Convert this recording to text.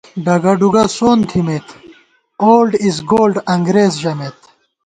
ڈگہ ڈُوگہ سون تھِمېت “اولڈ اِز گولڈ” انگرېز ژَمېت